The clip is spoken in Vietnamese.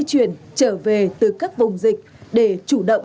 di chuyển trở về từ các vùng dịch để chủ động